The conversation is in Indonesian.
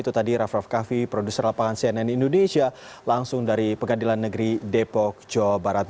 itu tadi raff raff kaffi produser lapangan cnn indonesia langsung dari pengadilan negeri depok jawa barat